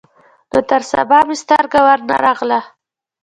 نو تر سبا مې سترګه ور نه غله.